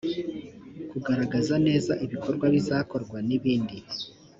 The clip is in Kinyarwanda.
kugaragaza neza ibikorwa bizakorwa n’ibindi